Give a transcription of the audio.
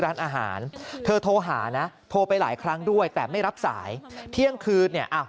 ร้านอาหารเธอโทรหานะโทรไปหลายครั้งด้วยแต่ไม่รับสายเที่ยงคืนเนี่ยอ้าว